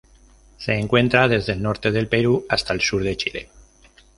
Se encuentra desde el norte del Perú hasta el sur de Chile.